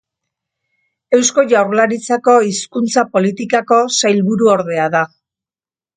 Eusko Jaurlaritzako Hizkuntza Politikako sailburuordea da.